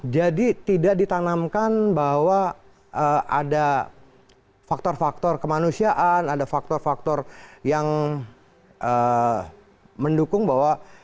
jadi tidak ditanamkan bahwa ada faktor faktor kemanusiaan ada faktor faktor yang mendukung bahwa